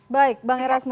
baik bang erasmus